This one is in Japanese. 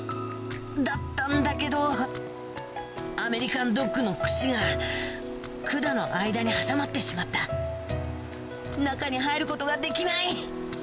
だったんだけどアメリカンドッグの串が管の間に挟まってしまった中に入ることができない